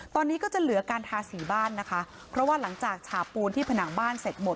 ตอนนี้ก็จะเหลือการทาสีบ้านนะคะเพราะว่าหลังจากฉาปูนที่ผนังบ้านเสร็จหมด